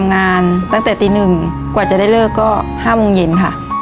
งานตั้งแต่ตี๑กว่าจะได้เลิกก็๕โมงเย็นค่ะ